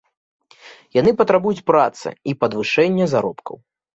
Яны патрабуюць працы і падвышэння заробкаў.